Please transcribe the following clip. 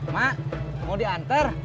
mak mau diantar